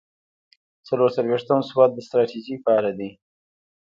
څلور څلویښتم سوال د ستراتیژۍ په اړه دی.